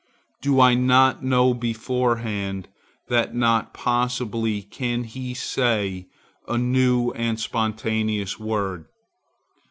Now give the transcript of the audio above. Do I not know beforehand that not possibly can he say a new and spontaneous word?